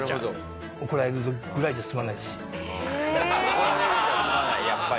怒られるじゃ済まないやっぱり。